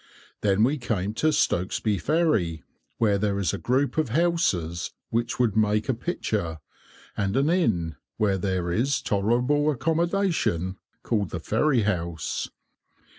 Then we came to Stokesby Ferry, where there is a group of houses, which would make a picture, and an inn, where there is tolerable accommodation, called the Ferry House.